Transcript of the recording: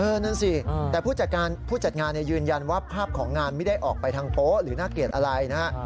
นั่นสิแต่ผู้จัดงานยืนยันว่าภาพของงานไม่ได้ออกไปทางโป๊ะหรือน่าเกลียดอะไรนะฮะ